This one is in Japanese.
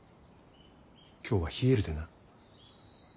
今日は冷えるでな。